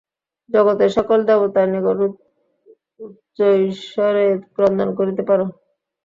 জগতের সকল দেবতার নিকট উচ্চৈঃস্বরে ক্রন্দন করিতে পার।